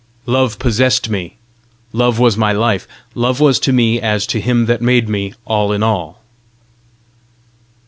Love possessed me! Love was my life! Love was to me, as to him that made me, all in all!